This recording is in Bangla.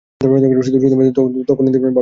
শুধুমাত্র তখনই পাবলিক পড়ার জন্য লিংকে ক্লিক করবে।